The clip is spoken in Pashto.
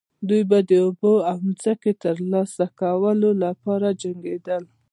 دوی به د اوبو او ځمکې د ترلاسه کولو لپاره جنګیدل.